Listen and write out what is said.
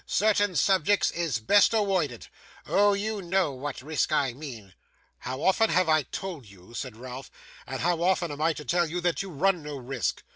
Certain subjects is best awoided. Oh, you know what risk I mean.' 'How often have I told you,' said Ralph, 'and how often am I to tell you, that you run no risk?